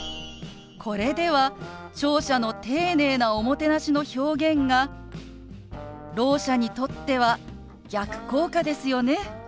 これでは聴者の丁寧なおもてなしの表現がろう者にとっては逆効果ですよね。